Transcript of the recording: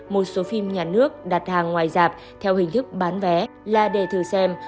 một số phim nhà nước đặt hàng ngoài giảp theo hình thức bán vé là đề thử xem